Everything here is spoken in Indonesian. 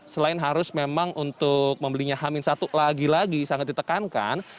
selain harus memang untuk membelinya hamil satu lagi lagi sangat ditekankan